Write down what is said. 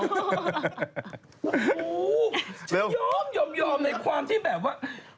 โอ้โฮยอมในความที่แบบว่า